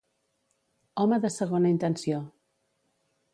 Home de segona intenció.